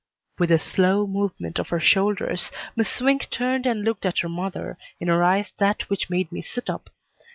With a slow movement of her shoulders, Miss Swink turned and looked at her mother, in her eyes that which made me sit up.